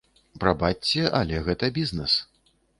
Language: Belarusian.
Прабачце, але гэта бізнэс.